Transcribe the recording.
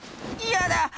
いやだ！